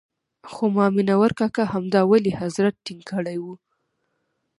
خو مامنور کاکا همدا ولي حضرت ټینګ کړی وو.